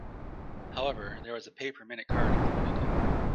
However, there was a pay-per-minute card included.